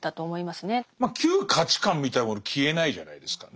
まあ旧価値観みたいなもの消えないじゃないですか。